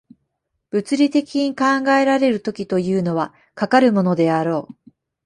物理的に考えられる時というのは、かかるものであろう。